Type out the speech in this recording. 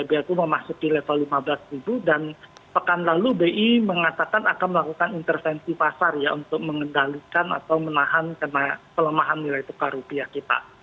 blku memasuki level lima belas dan pekan lalu bi mengatakan akan melakukan intervensi pasar ya untuk mengendalikan atau menahan pelemahan nilai tukar rupiah kita